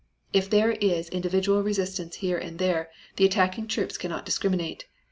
If there is individual resistance here and there the attacking troops cannot discriminate.